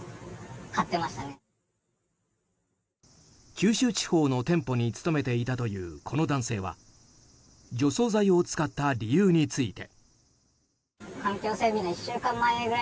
九州地方の店舗に勤めていたというこの男性は除草剤を使った理由について。